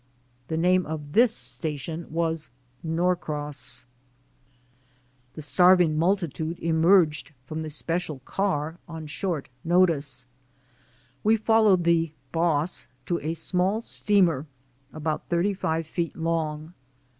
The name of this station was Norcross. The starving multitude emerged from the "spe cial car" on short notice. We followed the "boss" to a small steamer about thirty five feet long.